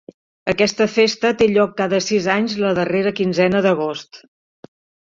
Aquesta festa té lloc cada sis anys la darrera quinzena d'agost.